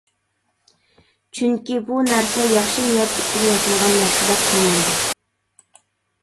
چۈنكى بۇ نەرسە ياخشى نىيەت ئۈچۈن ياسالغان نەرسىدەك قىلمايدۇ.